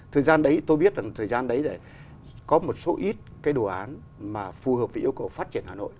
thời gian đấy tôi biết rằng thời gian đấy có một số ít cái đồ án mà phù hợp với yêu cầu phát triển hà nội